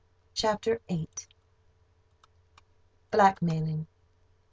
CHAPTER VIII. Blackmailing.